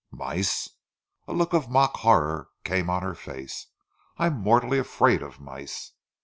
"Mice!" A look of mock horror came on her face. "I'm mortally afraid of mice!"